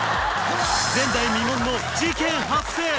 前代未聞の事件発生！